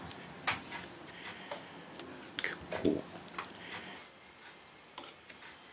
結構。